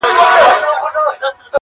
• خو یو بل وصیت هم سپي دی راته کړی,